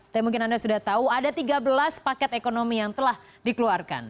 tapi mungkin anda sudah tahu ada tiga belas paket ekonomi yang telah dikeluarkan